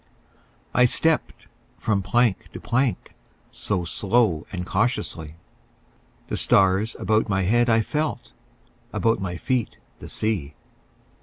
I stepped from plank to plank So slow and cautiously; The stars about my head I felt, About my feet the sea.